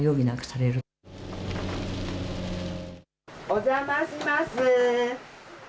お邪魔します。